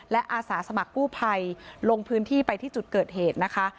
และอาสาสมัครกู้ภัยลงพื้นที่ไปที่จุดเกิดเหตุนะคะ